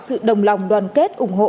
sự đồng lòng đoàn kết ủng hộ